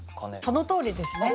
そのとおりですね。